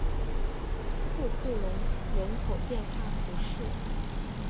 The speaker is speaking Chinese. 库库龙人口变化图示